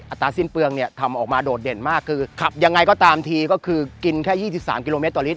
ตราสิ้นเปลืองเนี่ยทำออกมาโดดเด่นมากคือขับยังไงก็ตามทีก็คือกินแค่๒๓กิโลเมตรต่อลิตร